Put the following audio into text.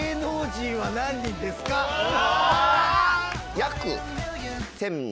約。